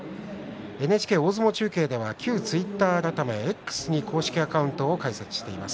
ＮＨＫ大相撲中継では旧ツイッター改めＸに公式アカウントを開設しています。